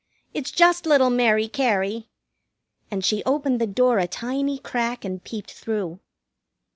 It's just little Mary Cary." And she opened the door a tiny crack and peeped through.